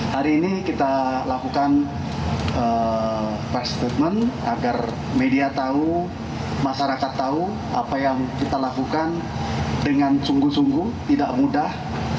hari ini kita lakukan press statement agar media tahu masyarakat tahu apa yang kita lakukan dengan sungguh sungguh tidak mudah